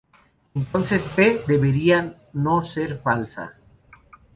Entonces "P" debería no ser falsa.